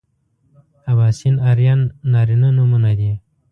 اباسین ارین نارینه نومونه دي